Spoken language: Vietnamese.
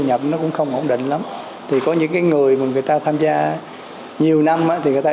thu nhập nó cũng không ổn định lắm thì có những cái người mà người ta tham gia nhiều năm thì người ta